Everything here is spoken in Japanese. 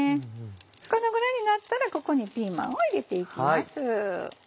このぐらいになったらここにピーマンを入れていきます。